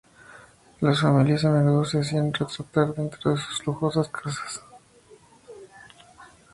Las familias a menudo se hacían retratar dentro de sus lujosas casas.